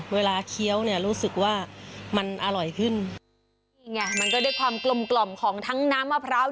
เคี้ยวเนี่ยรู้สึกว่ามันอร่อยขึ้นนี่ไงมันก็ได้ความกลมกล่อมของทั้งน้ำมะพร้าว